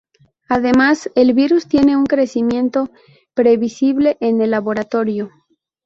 Además, el virus tiene un crecimiento previsible en el laboratorio.